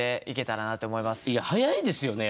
いや早いですよね